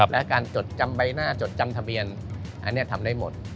และการจดจำใบหน้าจดจำทะเบียนอันนี้ทำได้หมด